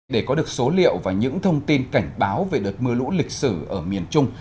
để có được số liệu và những thông tin cảnh báo về đợt mưa lũ lịch sử ở miền trung